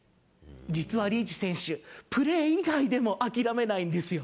実はリーチ選手、プレー以外でも諦めないんですよ。